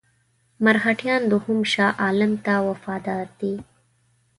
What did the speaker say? مرهټیان دوهم شاه عالم ته وفادار دي.